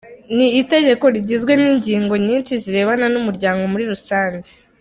Ni itegeko rigizwe n’ingingo nyinshi zirebana n’umuryango muri rusange.